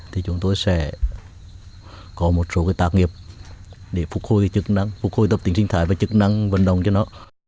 thì chúng tôi sẽ có một số tạc nghiệp để phục hồi chức năng phục hồi tập tính sinh thái và chức năng vận động cho nó